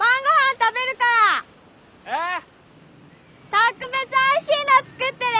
格別おいしいの作ってね。